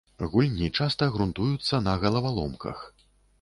Гульні часта грунтуюцца на галаваломках.